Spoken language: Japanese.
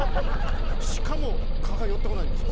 しかも、蚊がよってこないんですよ